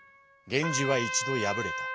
源氏は一度敗れた。